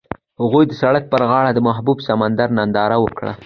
هغوی د سړک پر غاړه د محبوب سمندر ننداره وکړه.